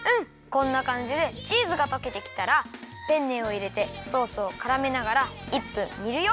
こんなかんじでチーズがとけてきたらペンネをいれてソースをからめながら１分にるよ。